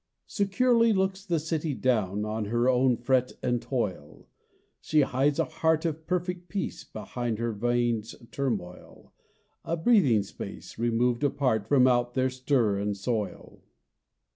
Securely looks the city down On her own fret and toil; She hides a heart of perfect peace Behind her veins' turmoil A breathing space removed apart From out their stir and soil.